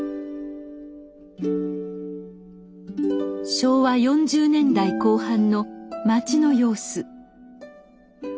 昭和４０年代後半の町の様子。